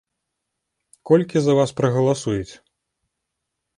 Колькі за вас прагаласуюць?